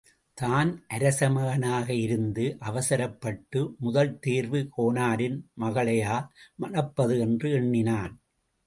தான் அரசமகனாக இருந்து அவசரப்பட்டு முதல் தேர்வு கோனாரின் மகளையா மணப்பது என்று எண்ணினான்.